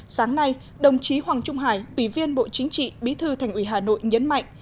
sáng nay đồng chí hoàng trung hải ủy viên bộ chính trị bí thư thành ủy hà nội nhấn mạnh